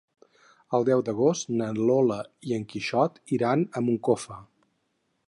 El deu d'agost na Lola i en Quixot iran a Moncofa.